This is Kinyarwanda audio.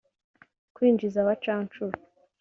kwinjiza abacanshuro